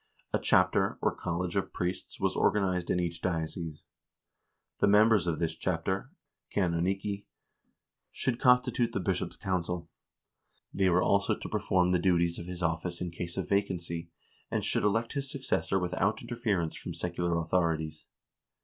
A chapter, or college of priests, was organized in each diocese. The members of this chapter (canonici) should con stitute the bishop's council ; they were also to perform the duties of his office in case of vacancy, and should elect his successor without interference from secular authorities.